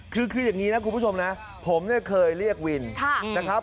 คือแบบนี้นะคุณผู้ชมนะผมเคยเรียกวินนะครับ